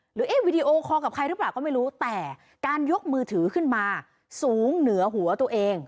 เอ๊ะวีดีโอคอลกับใครหรือเปล่าก็ไม่รู้แต่การยกมือถือขึ้นมาสูงเหนือหัวตัวเอง